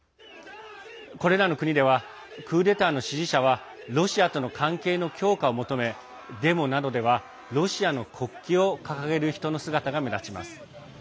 これらの国ではクーデターの支持者はロシアとの関係の強化を求めデモなどではロシアの国旗を掲げる人の姿が目立ちます。